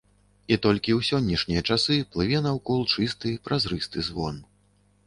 І толькі ў сённяшнія часы плыве наўкол чысты, празрысты звон.